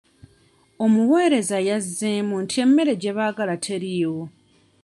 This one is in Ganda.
Omuweereza yazzeemu nti emmere gye baagala teriiwo.